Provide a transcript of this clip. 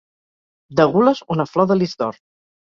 De gules, una flor de lis d'or.